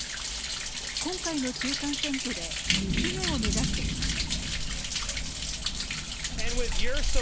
今回の中間選挙で２期目を目指しています。